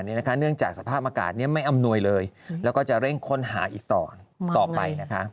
เนื่องจากสภาพอากาศไม่อำนวยเลยแล้วก็จะเร่งค้นหาอีกต่อไปนะคะ